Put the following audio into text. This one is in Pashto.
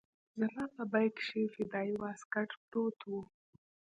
زما په بېګ کښې فدايي واسکټ پروت و.